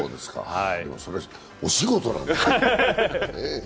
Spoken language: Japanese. でもそれ、お仕事なんですからね。